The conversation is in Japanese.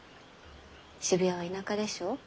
渋谷は田舎でしょ？